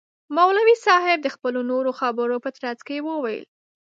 مولوی صاحب د خپلو نورو خبرو په ترڅ کي وویل.